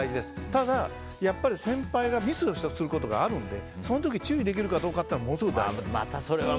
ただ、先輩がミスをすることがあるのでその時に注意できるかどうかがものすごい大事です。